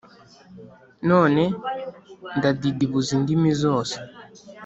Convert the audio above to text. none ndadidibuza indimi zose.